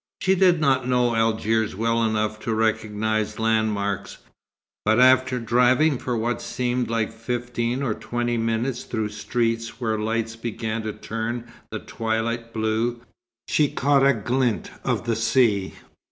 She did not know Algiers well enough to recognize landmarks; but after driving for what seemed like fifteen or twenty minutes through streets where lights began to turn the twilight blue, she caught a glint of the sea.